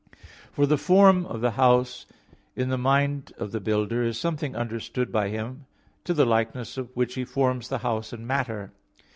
For the form of the house in the mind of the builder, is something understood by him, to the likeness of which he forms the house in matter.